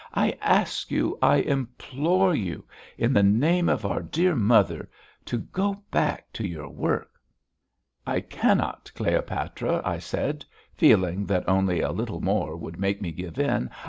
"I ask you, I implore you, in the name of our dear mother, to go back to your work." "I cannot, Cleopatra," I said, feeling that only a little more would make me give in.